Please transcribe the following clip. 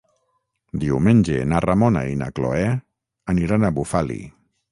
Diumenge na Ramona i na Cloè aniran a Bufali.